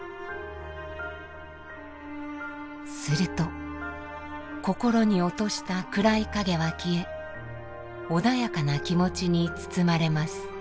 すると心に落とした暗い影は消え穏やかな気持ちに包まれます。